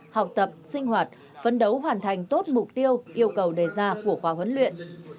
học tập sinh hoạt phấn đấu hoàn thành tốt mục tiêu yêu cầu đề ra của khóa huấn luyện